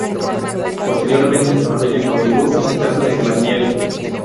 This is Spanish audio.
Posteriormente su familia continuó visitando este balneario.